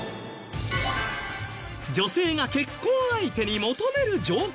女性が結婚相手に求める条件といえば。